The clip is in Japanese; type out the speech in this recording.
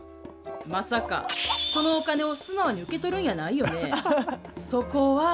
まさか、そのお金を素直に受け取るんやないよね。